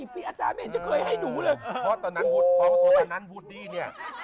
เพราะตอนนั้นวุฒิ